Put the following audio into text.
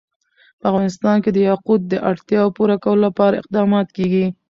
په افغانستان کې د یاقوت د اړتیاوو پوره کولو لپاره اقدامات کېږي.